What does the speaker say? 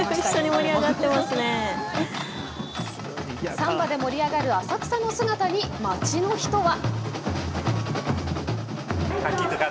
サンバで盛り上がる浅草の姿に街の人は。